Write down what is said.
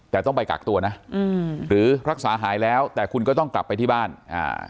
แต่ต้องไปกักตัวนะอืมหรือรักษาหายแล้วแต่คุณก็ต้องกลับไปที่บ้านอ่า